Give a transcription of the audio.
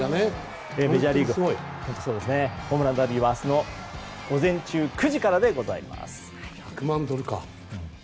メジャーリーグホームランダービーは明日の午前中９時からでございます。